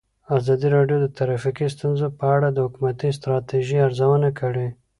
ازادي راډیو د ټرافیکي ستونزې په اړه د حکومتي ستراتیژۍ ارزونه کړې.